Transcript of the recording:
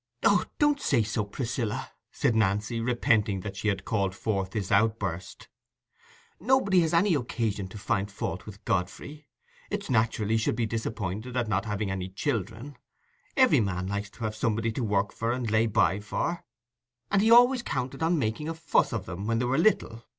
"Oh, don't say so, Priscilla," said Nancy, repenting that she had called forth this outburst; "nobody has any occasion to find fault with Godfrey. It's natural he should be disappointed at not having any children: every man likes to have somebody to work for and lay by for, and he always counted so on making a fuss with 'em when they were little.